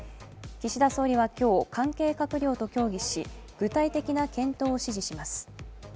岸田総理は今日、関係閣僚と協議し具体的な検討を指示します。